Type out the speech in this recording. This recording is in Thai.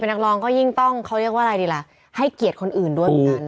นักร้องก็ยิ่งต้องเขาเรียกว่าอะไรดีล่ะให้เกียรติคนอื่นด้วยเหมือนกัน